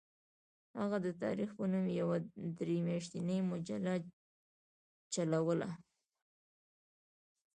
هغه د تاریخ په نوم یوه درې میاشتنۍ مجله چلوله.